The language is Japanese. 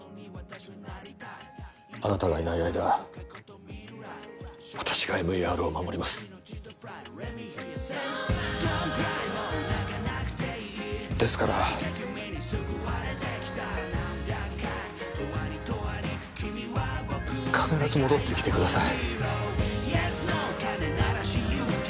あなたがいない間私がＭＥＲを守りますですから必ず戻ってきてください